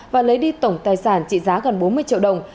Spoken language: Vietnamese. và lấy đi tổng tài sản trị giá gần bốn mươi triệu đồng